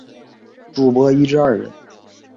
主薄一至二人。